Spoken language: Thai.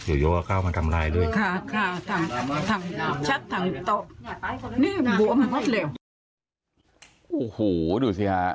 โอ้โหดูสิฮะ